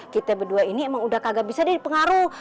kita berdua ini emang udah kagak bisa deh pengaruh